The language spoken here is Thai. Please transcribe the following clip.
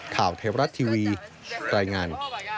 ข่าวเทวรัฐทีวีรายงาน